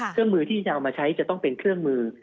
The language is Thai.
เครื่องมือที่จะเอามาใช้จะต้องเป็นเครื่องมือ